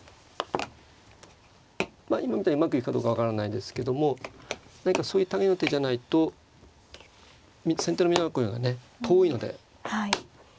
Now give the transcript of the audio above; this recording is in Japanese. まあ今みたいにうまくいくかどうか分からないですけども何かそういう類いの手じゃないと先手の美濃囲いがね遠いので。